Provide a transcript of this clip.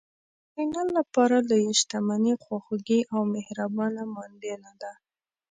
د نارینه لپاره لویه شتمني خواخوږې او مهربانه ماندینه ده.